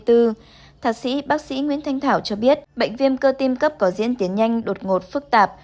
thạc sĩ bác sĩ nguyễn thanh thảo cho biết bệnh viêm cơ tim cấp có diễn tiến nhanh đột ngột phức tạp